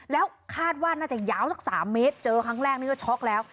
แล้วคาดว่าน่าจะยาวสัก๓เมตรเจอครั้งแรกนี่ก็ช็อกแล้ว